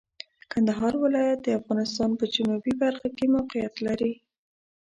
کندهار ولایت د افغانستان په جنوبي برخه کې موقعیت لري.